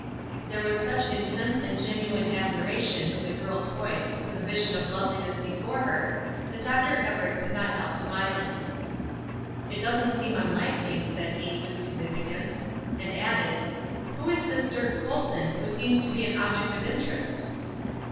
There was such intense and genuine admiration in the girl's voice for the vision of loveliness before her that Dr. Everett could not help smiling. "It doesn't seem unlikely," said he, with significance; and added: "Who is this Dirk Colson, who seems to be an object of interest?"